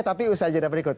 tapi usaha saja ada berikut